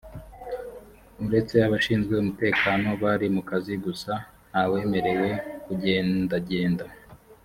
uretse abashinzwe umutekano bari mu kazi gusa ntawemerewe kugendagenda